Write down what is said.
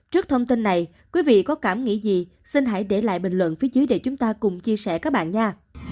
trước thông tin này quý vị có cảm nghĩ gì xin hãy để lại bình luận phía dưới để chúng ta cùng chia sẻ các bạn nha